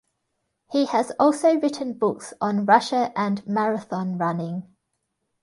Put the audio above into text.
He has also written books on Russia and marathon running.